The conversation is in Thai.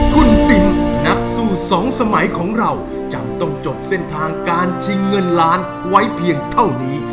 คุณซิมนักสู้สองสมัยของเราจำต้องจบเส้นทางการชิงเงินล้านไว้เพียงเท่านี้